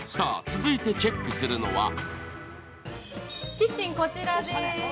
キッチンこちらです。